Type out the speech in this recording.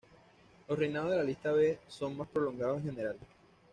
Los reinados de la lista B son más prolongados en general.